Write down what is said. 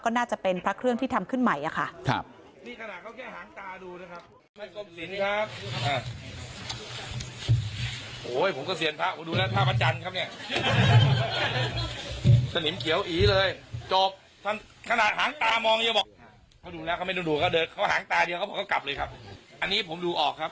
น่าจะเป็นพระเครื่องที่ทำขึ้นใหม่อะค่ะ